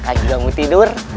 kang juga mau tidur